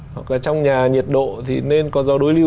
hoặc là trong nhà nhiệt độ thì nên có gió đối lưu